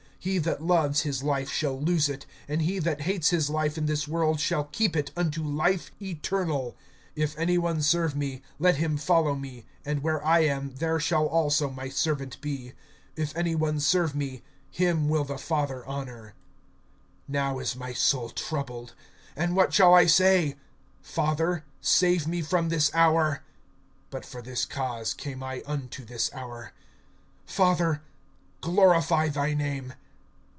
(25)He that loves his life shall lose it; and he that hates his life in this world shall keep it unto life eternal. (26)If any one serve me, let him follow me; and where I am, there shall also my servant be. If any one serve me, him will the Father honor. (27)Now is my soul troubled; and what shall I say? Father, save me from this hour[12:27]! But for this cause came I unto this hour. (28)Father, glorify thy name.